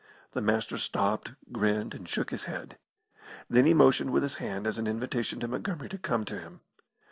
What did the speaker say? The Master stopped, grinned, and shook his head. Then he motioned with his hand as an invitation to Montgomery to come to him.